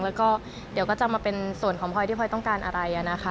แล้วก็เดี๋ยวก็จะมาเป็นส่วนของพลอยที่พลอยต้องการอะไรนะคะ